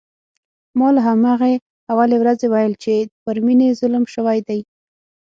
ما له همهغې اولې ورځې ویل چې پر مينې ظلم شوی دی